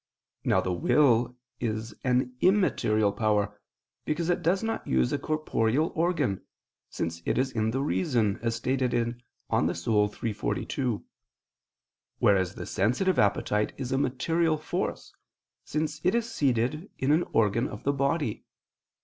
Now the will is an immaterial power, because it does not use a corporeal organ, since it is in the reason, as stated in De Anima iii, text. 42: whereas the sensitive appetite is a material force, since it is seated in an organ of the body.